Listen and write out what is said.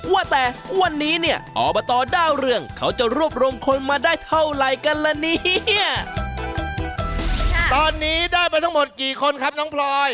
ว่าแต่วันนี้เนี่ยอบตดาวเรืองเขาจะรวบรวมคนมาได้เท่าไหร่กันละเนี่ยค่ะตอนนี้ได้ไปทั้งหมดกี่คนครับน้องพลอย